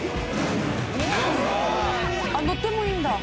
「あっ乗ってもいいんだ」